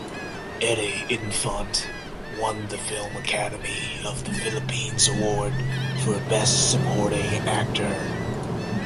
Eddie Infante won the Film Academy of the Philippines Award for Best Supporting Actor.